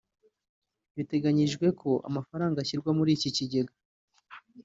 Biteganyijwe ko amafaranga ashyirwa muri iki kigega